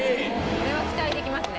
これは期待できますね。